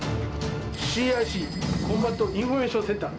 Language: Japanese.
ＣＩＣ・コンバット・インフォメーション・センター。